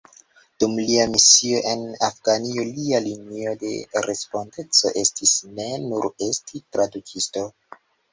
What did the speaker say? Dum lia misio en Afganio lia linio de respondeco estis ne nur esti tradukisto.